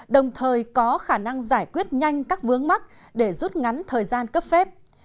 đồng thời có khả năng giải quyết nhanh các vướng mắt để rút ngắn thời gian cấp phép